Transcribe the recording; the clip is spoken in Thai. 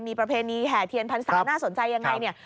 มีประเพณีแห่เทียนพันธุ์สามน่าสนใจยังไง